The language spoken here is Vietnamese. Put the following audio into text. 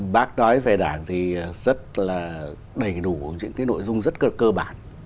bác nói về đảng thì rất là đầy đủ những cái nội dung rất là cơ bản